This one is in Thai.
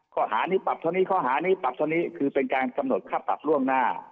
ข้อหานี้ปรับเท่านี้ข้อหานี้ปรับเท่านี้คือเป็นการกำหนดค่าปรับล่วงหน้า